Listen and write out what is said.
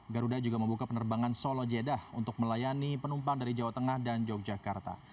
garuda juga membuka penerbangan solo jeddah untuk melayani penumpang dari jawa tengah dan yogyakarta